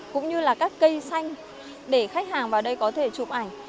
cũng như là các cây xanh để khách hàng vào đây có thể chụp ảnh